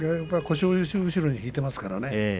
腰を後ろに引いてますからね。